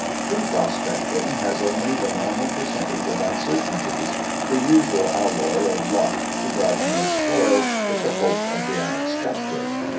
True prospecting has only the normal percentage of uncertainties, the usual alloy of luck to brighten its toil with the hope of the unexpected.